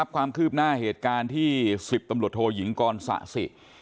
ความคืบหน้าเหตุการณ์ที่๑๐ตำรวจโทยิงกรสะสิ